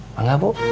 apa enggak bu